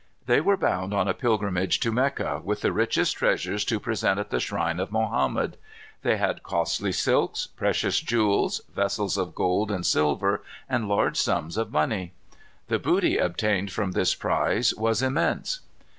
They were bound on a pilgrimage to Mecca, with the richest treasures to present at the shrine of Mohammed. They had costly silks, precious jewels, vessels of gold and silver, and large sums of money. The booty obtained from this prize was immense.